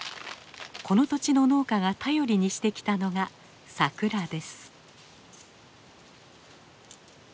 この土地の農家が頼りにしてきたのが桜です。